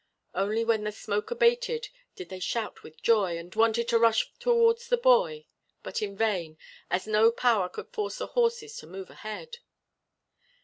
Only when the smoke abated, did they shout with joy, and wanted to rush towards the boy, but in vain, as no power could force the horses to move ahead.